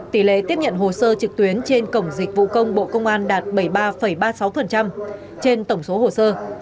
tỷ lệ tiếp nhận hồ sơ trực tuyến trên cổng dịch vụ công bộ công an đạt bảy mươi ba ba mươi sáu trên tổng số hồ sơ